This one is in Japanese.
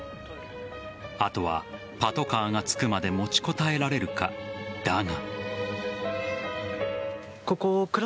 あとはパトカーが着くまで持ちこたえられるかだが。